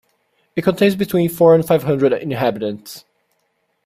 It contains between four and five hundred inhabitants.